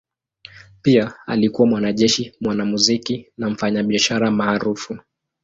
Pia alikuwa mwanajeshi, mwanamuziki na mfanyabiashara maarufu.